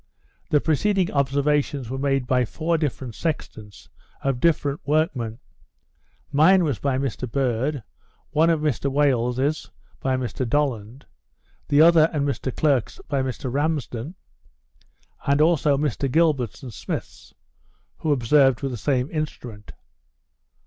The preceding observations were made by four different sextants, of different workmen. Mine was by Mr Bird; one of Mr Wales's by Mr Dollond; the other and Mr Clerke's by Mr Ramsden; as also Mr Gilbert's and Smith's, who observed with the same instrument.